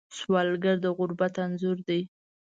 سوالګر د غربت انځور دی